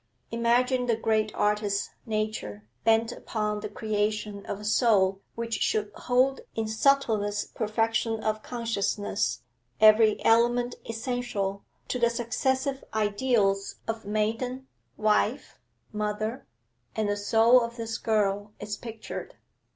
Imagine the great artist Nature bent upon the creation of a soul which should hold in subtlest perfection of consciousness every element essential to the successive ideals of maiden, wife, mother, and the soul of this girl is pictured.